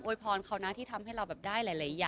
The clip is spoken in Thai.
บางทีเค้าแค่อยากดึงเค้าต้องการอะไรจับเราไหล่ลูกหรือยังไง